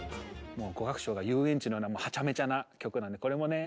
もう５楽章が遊園地のようなはちゃめちゃな曲なんでこれもね